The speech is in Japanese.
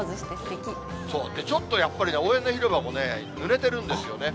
ちょっとやっぱりね、大屋根広場もぬれてるんですよね。